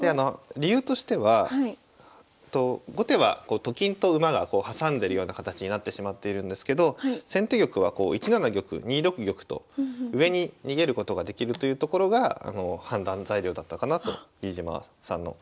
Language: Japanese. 理由としては後手はと金と馬が挟んでるような形になってしまっているんですけど先手玉はこう１七玉２六玉と上に逃げることができるというところが判断材料だったかなと飯島さんのはい思いました。